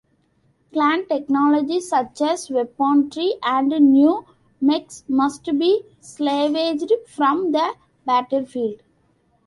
Clan technology such as weaponry and new mechs must be salvaged from the battlefield.